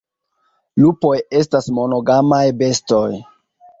Lupoj estas monogamaj bestoj.